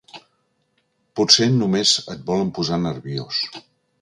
Potser només et volen posar nerviós.